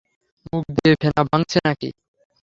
মুখ দিয়ে ফেনা ভাঙছে নাকি?